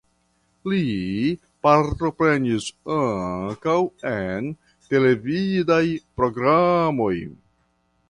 Li partoprenis ankaŭ en televidaj programoj.